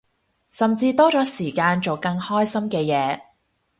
甚至多咗時間做更開心嘅嘢